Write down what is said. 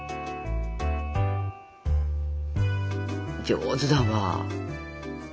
上手だわ！